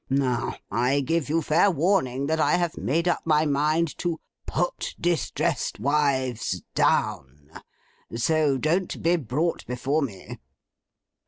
Now, I give you fair warning, that I have made up my mind to Put distressed wives Down. So, don't be brought before me.